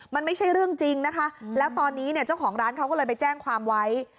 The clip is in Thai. มันไม่ใช่เรื่องจริงนะคะแล้วตอนนี้เนี่ยเจ้าของร้านเขาก็เลยไปแจ้งความไว้